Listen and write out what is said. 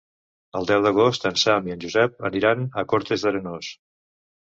El deu d'agost en Sam i en Josep iran a Cortes d'Arenós.